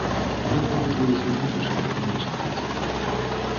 Жонка вучылася ў медычным універсітэце.